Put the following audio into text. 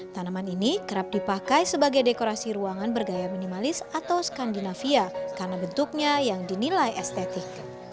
tanaman ini kerap dipakai sebagai dekorasi ruangan bergaya minimalis atau skandinavia karena bentuknya yang dinilai estetik